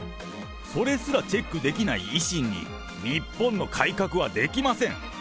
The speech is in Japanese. それすらチェックできない維新に日本の改革はできません。